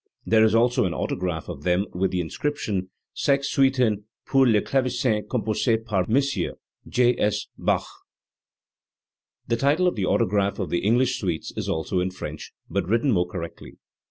There is also an autograph of them with the in scription: "Sex Suiten pur le Clavesin compossee par Mos: J. S. Bach." The title of the autograph of the English suites is also in French, but written more correctly.